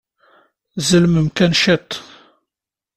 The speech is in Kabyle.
Tzelmem kan ciṭ.